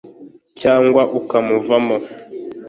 cyangwa ukamuvamo